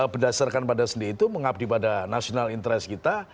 berdasarkan pada sendi itu mengabdi pada national interest kita